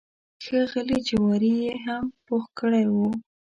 ښه غلي جواري یې هم پوخ کړی و.